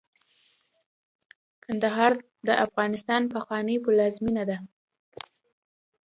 کندهار د افغانستان پخوانۍ پلازمېنه ده.